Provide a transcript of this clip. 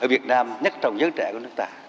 ở việt nam nhất trong giới trẻ của nước ta